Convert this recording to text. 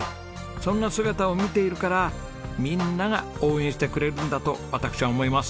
そんな姿を見ているからみんなが応援してくれるんだと私は思います。